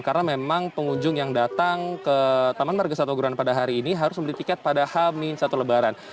karena memang pengunjung yang datang ke taman marga satwa ragunan pada hari ini harus membeli tiket pada hami satu lebaran